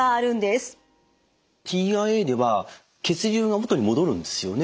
ＴＩＡでは血流が元に戻るんですよね？